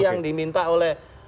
yang diminta oleh